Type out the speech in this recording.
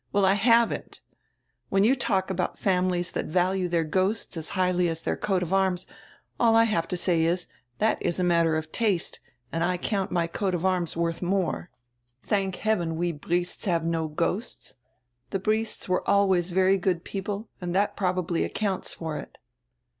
Well, I haven't When you talk about families diat value dieir ghosts as highly as dieir coat of arms, all I have to say is, diat is a matter of taste, and I count my coat of arms wordi more. Thank heaven, we Briests have no ghosts. The Briests were always very good people and diat probably accounts for it."